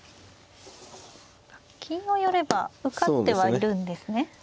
金を寄れば受かってはいるんですね。